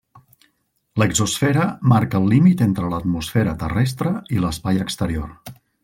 L'exosfera marca el límit entre l'atmosfera terrestre i l'espai exterior.